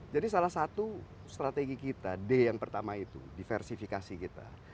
jadi salah satu strategi kita d yang pertama itu diversifikasi kita